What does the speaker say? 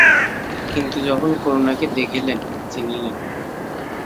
কিন্তু যখন করুণাকে দেখিলেন, চিনিলেন।